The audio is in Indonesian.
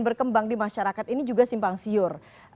berkembang di masyarakat ini juga simpang siur